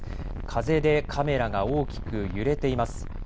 風でカメラが大きく揺れています。